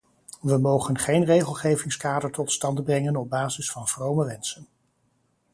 We mogen geen regelgevingskader tot stand brengen op basis van vrome wensen.